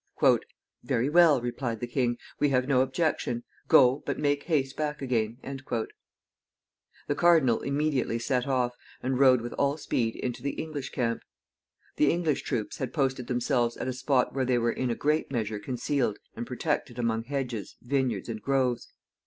"Very well," replied the king. "We have no objection. Go, but make haste back again." The cardinal immediately set off, and rode with all speed into the English camp. The English troops had posted themselves at a spot where they were in a great measure concealed and protected among hedges, vineyards, and groves.